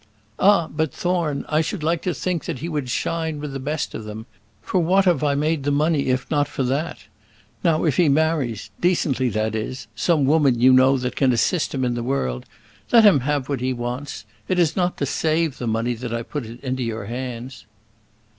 "Ah! but, Thorne, I should like to think he should shine with the best of them. For what have I made the money if not for that? Now if he marries decently, that is some woman you know that can assist him in the world, let him have what he wants. It is not to save the money that I put it into your hands."